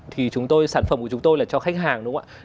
thì sản phẩm của chúng tôi là cho khách hàng đúng không ạ